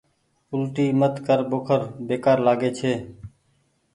اولٽي مت ڪر ٻوکر بيڪآر لآڳي ڇي